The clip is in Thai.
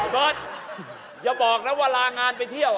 ท่อตอย่าบอกแล้วว่าลางานไปเที่ยว